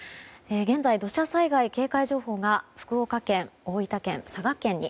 現在、土砂災害警戒情報が福岡県、大分県、佐賀県に。